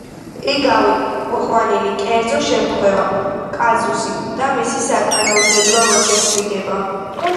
იგავი — მოყვანილი კერძო შემთხვევა, კაზუსი და მისი საკანონმდებლო მოწესრიგება